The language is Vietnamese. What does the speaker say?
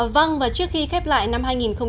vâng và trước khi khép lại năm hai nghìn một mươi chín